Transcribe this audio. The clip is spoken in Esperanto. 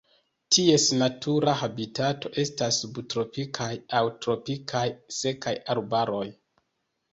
Ties natura habitato estas subtropikaj aŭ tropikaj sekaj arbaroj.